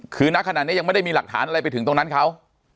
คือนักขณะนี้ยังไม่ได้มีหลักฐานอะไรไปถึงตรงนั้นเขา